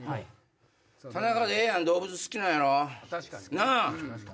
田中でええやん動物好きなんやろ？なぁ？